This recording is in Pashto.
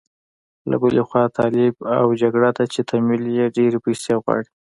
له بلې خوا طالب او جګړه ده چې تمویل یې ډېرې پيسې غواړي.